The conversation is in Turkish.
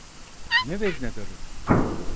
Ne veznedarı?